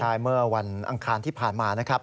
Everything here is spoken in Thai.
ใช่เมื่อวันอังคารที่ผ่านมานะครับ